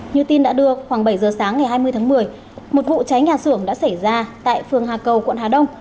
như tin đã đưa khoảng bảy giờ sáng ngày hai mươi tháng một mươi một vụ cháy nhà xưởng đã xảy ra tại phường hà cầu quận hà đông